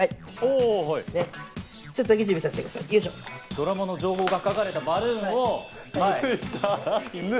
ドラマの情報が書かれたバルーンを。